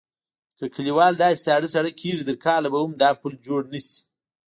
که کیوال داسې ساړه ساړه کېږي تر کاله به هم د پول جوړ نشي.